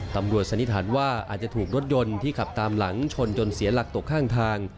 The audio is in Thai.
สันนิษฐานว่าอาจจะถูกรถยนต์ที่ขับตามหลังชนจนเสียหลักตกข้างทาง